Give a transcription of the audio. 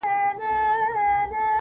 پاگل دي د غم سونډې پر سکروټو ايښي~